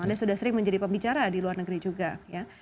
anda sudah sering menjadi pembicara di luar negeri juga ya